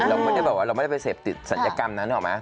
เราไม่ได้บอกว่าเราไม่ได้ไปเสพสัญกรรมนั้นเข้าใจไหม